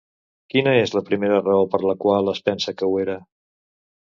Quina és la primera raó per la qual es pensa que ho era?